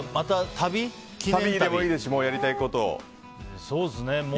旅でもいいですしやりたいこと。